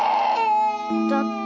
だって。